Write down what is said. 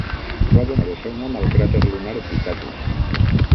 Va donar el seu nom al cràter lunar Pitatus.